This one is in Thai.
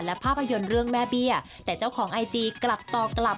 และภาพยนตร์เรื่องแม่เบี้ยแต่เจ้าของไอจีกลับต่อกลับ